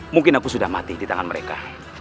mungkin aku sudah mati di tangan mereka